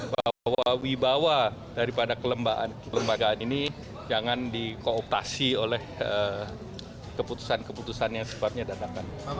bahwa wibawa daripada kelembagaan ini jangan dikooptasi oleh keputusan keputusan yang sebabnya datang